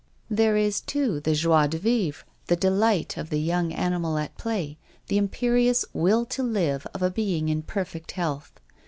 There is, too^ the joie de vwre, the delight of the young animal at play, the imperious will to live of a being in perfect health.